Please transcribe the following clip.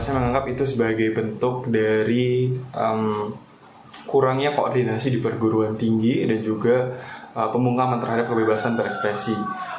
saya menganggap itu sebagai bentuk dari kurangnya koordinasi di perguruan tinggi dan juga pemungkaman terhadap kebebasan berekspresi